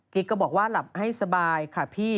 ก็บอกว่าหลับให้สบายค่ะพี่